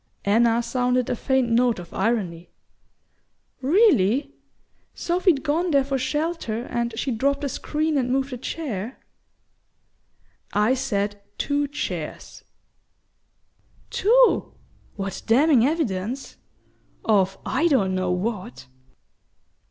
Anna sounded a faint note of irony. "Really? Sophy'd gone there for shelter, and she dropped a screen and moved a chair?" "I said two chairs " "Two? What damning evidence of I don't know what!"